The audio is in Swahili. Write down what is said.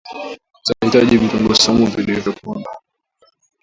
utahitaji Vitunguu swaumu vilivyopondwa